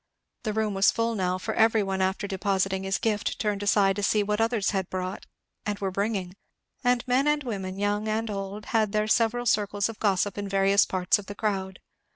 The room was full now, for every one after depositing his gift turned aside to see what others had brought and were bringing; and men and women, the young and old, had their several circles of gossip in various parts of the crowd.